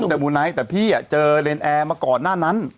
ทำแต่หมู่ไนแต่พี่เจอเลนแลมาก่อนหน้านั้น